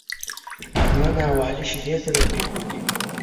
احمد او عالي شيدې سره پرېښودې.